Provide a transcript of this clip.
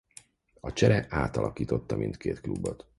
A csere átalakította mindkét klubot.